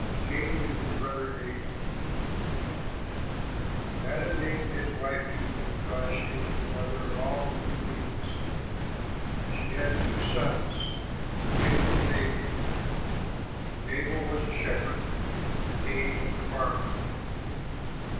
CAIN AND HIS BROTHER ABEL Adam named his wife Eve, because she was the mother of all living beings. She had two sons, Cain and Abel. Abel was a shepherd, but Cain was a farmer.